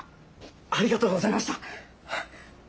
ありがとうございました！はあ。